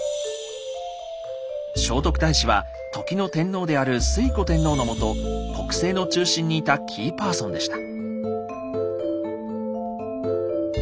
聖徳太子は時の天皇である推古天皇のもと国政の中心にいたキーパーソンでした。